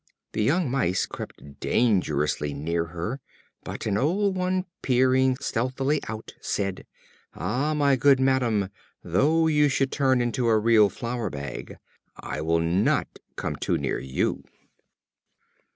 The young Mice crept dangerously near her, but an old one peeping stealthily out said: "Ah, my good madam, though you should turn into a real flour bag, I will not come too near you."